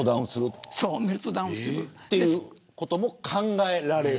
メルトダウンする。ということも考えられる。